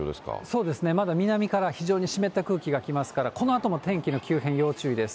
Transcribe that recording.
そうですね、まだ南から非常に湿った空気が来ますから、このあとも天気の急変、要注意です。